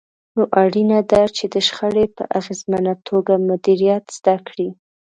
نو اړينه ده چې د شخړې په اغېزمنه توګه مديريت زده کړئ.